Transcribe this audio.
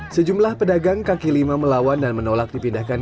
sejumlah pedagang kaki lima melawan dan menolak dipindahkan